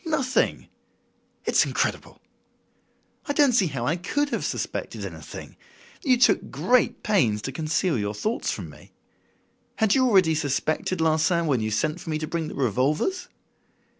"Nothing!" "It's incredible!" "I don't see how I could have suspected anything. You took great pains to conceal your thoughts from me. Had you already suspected Larsan when you sent for me to bring the revolvers?"